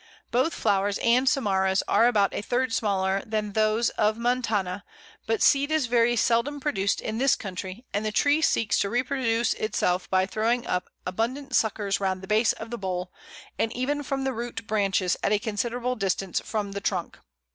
Both flowers and samaras are about a third smaller than those of montana; but seed is very seldom produced in this country, and the tree seeks to reproduce itself by throwing up abundant suckers round the base of the bole, and even from root branches at a considerable distance from the trunk.